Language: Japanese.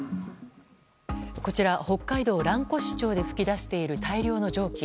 こちら、北海道蘭越町で噴き出している大量の蒸気。